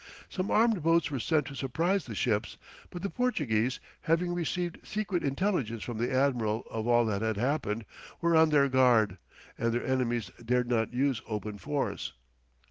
Some armed boats were sent to surprise the ships, but the Portuguese, having received secret intelligence from the admiral of all that had happened, were on their guard, and their enemies dared not use open force.